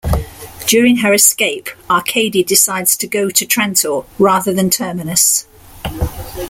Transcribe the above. During her escape, Arkady decides to go to Trantor rather than Terminus.